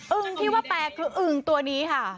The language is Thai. ึงที่ว่าแปลกคืออึงตัวนี้ค่ะ